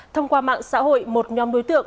thông qua mạng xã hội một nhóm đối tượng